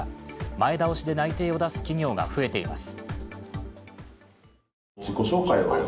前倒しで内定を出す企業が増えています。